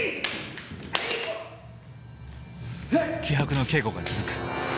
気迫の稽古が続く。